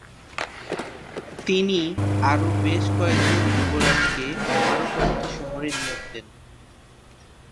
তিনি আরও বেশ কয়েকজন যুবরাজকে আরও কয়েকটি শহরে নিয়োগ দেন।